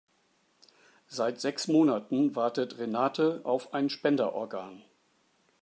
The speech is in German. Seit sechs Monaten wartet Renate auf ein Spenderorgan.